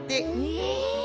へえ！